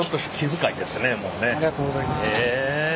ありがとうございます。